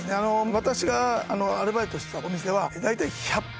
私がアルバイトしてたお店はだいたい１００箱